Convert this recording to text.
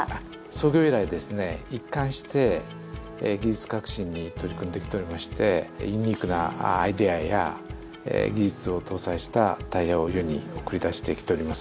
創業以来ですね一貫して技術革新に取り組んできておりましてユニークなアイデアや技術を搭載したタイヤを世に送り出してきております。